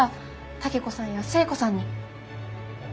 武子さんや末子さんに。